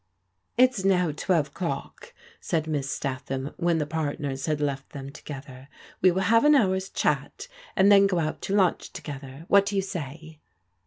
" It's now twelve o'clock," said Miss Statham, when the partners had left them together. " We will have an hour's chat, and then go out to lunch together. What do you say?"